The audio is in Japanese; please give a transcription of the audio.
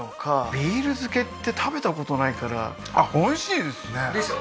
ビール漬けって食べたことないからあっおいしいですねでしょ？